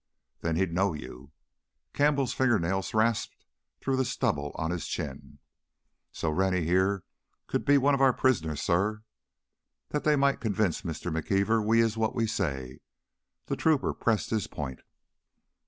"Then he'd know you." Campbell's fingernails rasped through the stubble on his chin. "So Rennie heah could be one of our prisoners, suh. That theah might convince Mistuh McKeever we's what we say " the trooper pressed his point.